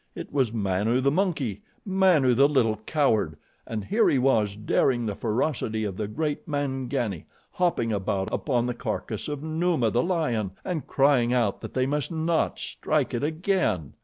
It was Manu, the monkey, Manu, the little coward, and here he was daring the ferocity of the great Mangani, hopping about upon the carcass of Numa, the lion, and crying out that they must not strike it again.